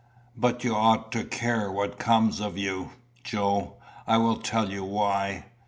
"But you ought to care what comes of you, Joe. I will tell you why.